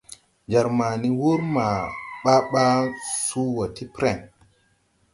Jar ma ni wur ma baa baa suu wɔ ti preŋ.